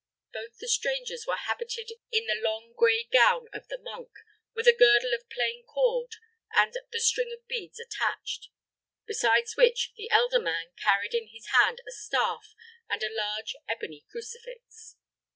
Both the strangers were habited in the long, gray gown of the monk, with a girdle of plain cord, and the string of beads attached; besides which, the elder man carried in his hand a staff, and a large ebony crucifix.